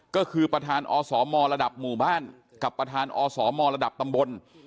ก็คือประธานอสมระดับหมู่บ้านกับประธานอสมระดับตำบล